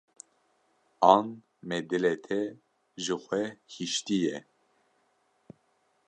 an me dilê te ji xwe hîştî ye.